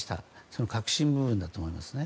その核心部分だと思います。